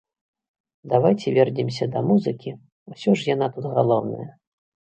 Давайце вернемся да музыкі, ўсё ж яна тут галоўная.